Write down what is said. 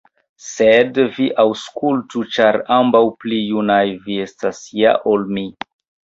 Sed vi aŭskultu, ĉar ambaŭ pli junaj vi estas ja ol mi.